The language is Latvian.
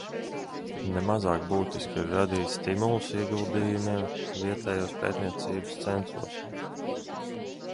Ne mazāk būtiski ir radīt stimulus ieguldījumiem vietējos pētniecības centros.